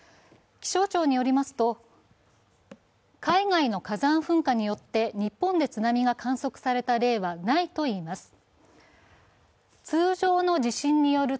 気象庁によりますと、海外の火山噴火によって日本で津波が観測された例はないといいます。